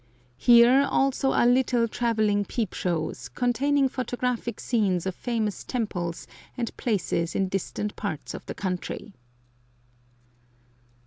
Here also are little travelling peep shows, containing photographic scenes of famous temples and places in distant parts of the country.